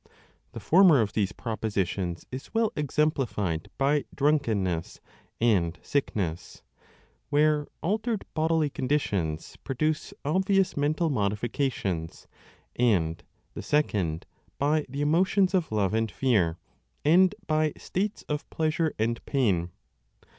1 The former of these propositions is well exemplified by drunkenness and sick ness, where altered bodily conditions produce obvious 5 mental modifications, and the second by the emotions of love and fear, and by states of pleasure and pain.